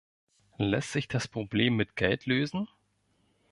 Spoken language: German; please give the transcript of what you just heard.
Lässt sich das Problem mit Geld lösen?